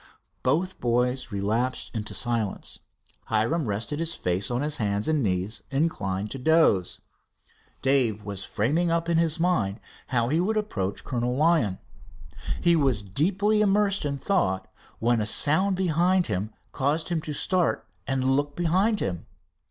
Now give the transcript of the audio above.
Both boys relapsed into silence. Hiram rested his face on his hands and his knees, inclined to doze. Dave was framing up in his mind how he would approach Col. Lyon. He was deeply immersed in thought, when a sound behind him caused him to start and look behind him.